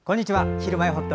「ひるまえほっと」